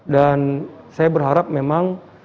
dan saya berharap memang